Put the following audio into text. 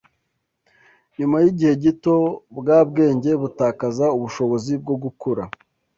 nyuma y’igihe gito bwa bwenge butakaza ubushobozi bwo gukura